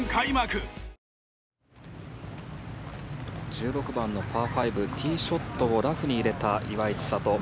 １６番のパー５ティーショットをラフに入れた岩井千怜。